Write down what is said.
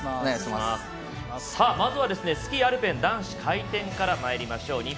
まずはスキーアルペン男子回転からまいりましょう。